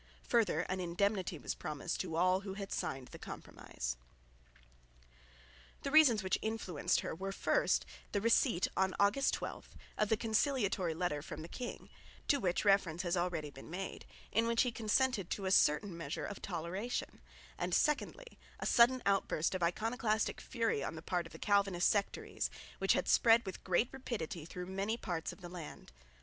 Further an indemnity was promised to all who had signed the Compromise. The reasons which influenced her were, first the receipt, on August 12, of the conciliatory letter from the king, to which reference has already been made, in which he consented to a certain measure of toleration; and secondly a sudden outburst of iconoclastic fury on the part of the Calvinistic sectaries, which had spread with great rapidity through many parts of the land.